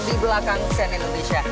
di belakang cnn indonesia